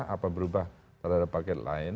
atau berubah pada paket lain